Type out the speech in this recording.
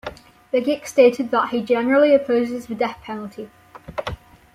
Begich stated that he generally opposes the death penalty.